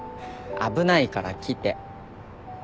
危ないから来て。